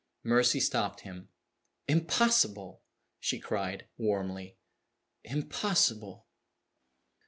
Mercy stopped him. "Impossible!" she cried, warmly. "Impossible!"